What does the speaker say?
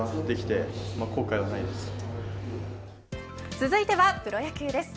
続いてはプロ野球です。